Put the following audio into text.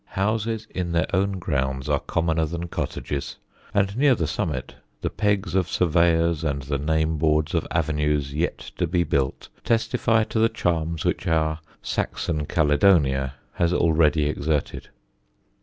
Houses in their own grounds are commoner than cottages, and near the summit the pegs of surveyors and the name boards of avenues yet to be built testify to the charms which our Saxon Caledonia has already exerted.